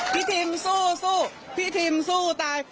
พี่ทิมสู้สู้พี่ทิมสู้ตาย